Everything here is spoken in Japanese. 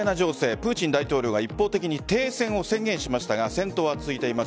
プーチン大統領が一方的に停戦を宣言しましたが戦闘は続いています。